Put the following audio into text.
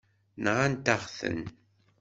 Nɣant-aɣ-ten.